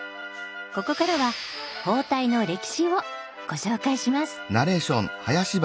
ここからは包帯の歴史をご紹介します。